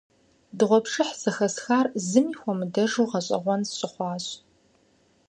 Дыгъуэпшыхь зэхэсхар зыми хуэмыдэжу гъэщӀэгъуэн сщыхъуащ.